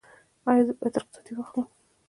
ایا زه باید رخصتي واخلم؟